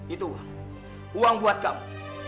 itu uang buat kamu